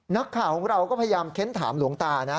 นักข่าวของเราก็พยายามเค้นถามหลวงตานะ